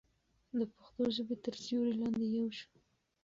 د پښتو ژبې تر سیوري لاندې یو شو.